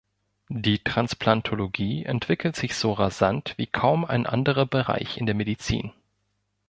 Die Transplantologie entwickelt sich so rasant wie kaum ein anderer Bereich in der Medizin.